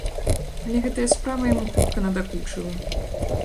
Але гэтая справа яму хутка надакучыла.